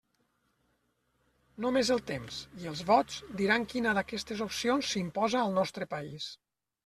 Només el temps —i els vots— diran quina d'aquestes opcions s'imposa al nostre país.